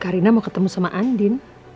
karina mau ketemu sama andin